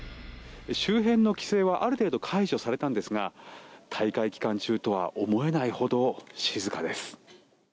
周辺の規制はある程度解除されたんですが大会期間中とは思えないほど静かです。